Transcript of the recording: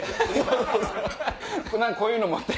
こういうの持って。